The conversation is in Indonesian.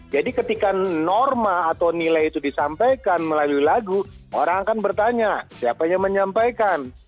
jadi ketika norma atau nilai itu disampaikan melalui lagu orang akan bertanya siapanya menyampaikan